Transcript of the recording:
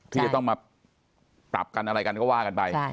ที่จะต้องมาปรับกันอะไรกันก็ว่ากันไป